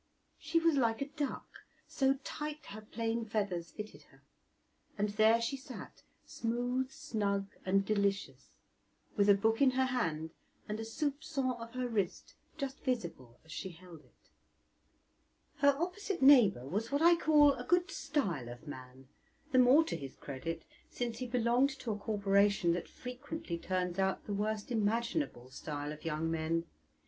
She was like a duck, so tight her plain feathers fitted her, and there she sat, smooth, snug, and delicious, with a book in her hand and a soupcon of her wrist just visible as she held it. Her opposite neighbour was what I call a good style of man, the more to his credit since he belonged to a corporation that frequently turns out the worst imaginable style of young men.